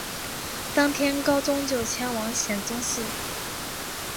当天高宗就前往显忠寺。